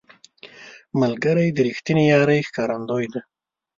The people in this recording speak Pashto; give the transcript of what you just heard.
ملګری د رښتینې یارۍ ښکارندوی دی